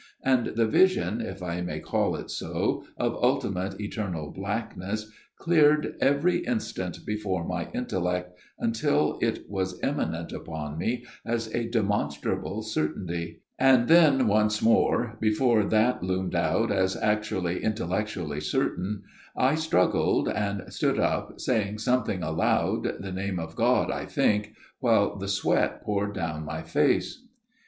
. and the vision, if I may call it so, of ultimate eternal blackness cleared every instant before my intellect until it was imminent upon me as a demonstrable certainty ; and then, once more, before that loomed out as actually intellectually certain, I struggled, and stood up, saying something aloud, the name of God, I think, while the sweat poured down my face.